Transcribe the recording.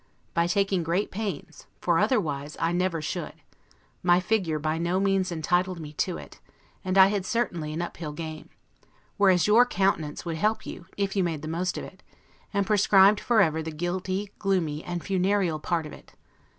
By taking great pains, for otherwise I never should: my figure by no means entitled me to it; and I had certainly an up hill game; whereas your countenance would help you, if you made the most of it, and proscribed for ever the guilty, gloomy, and funereal part of it.